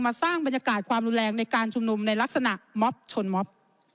สร้างบรรยากาศความรุนแรงในการชุมนุมในลักษณะม็อบชนม็อบ